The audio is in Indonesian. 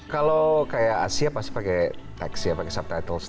kalau kayak asia pasti pakai tekstil pakai subtitle